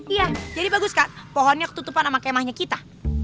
iya jadi bagus kak pohonnya ketutupan sama kemahnya kita